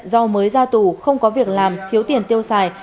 do mới ra tù không có việc làm thiếu tiền tiêu xài